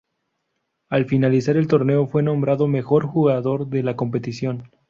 Al finalizar el torneo fue nombrado mejor jugador de la competición.